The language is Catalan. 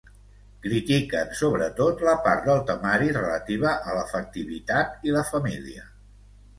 Critiquen sobretot la part del temari relativa a l'afectivitat i la família.